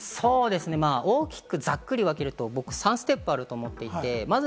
大きくざっくり分けると、３ステップあると思ってます。